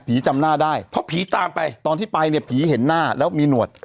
จำหน้าได้เพราะผีตามไปตอนที่ไปเนี่ยผีเห็นหน้าแล้วมีหนวด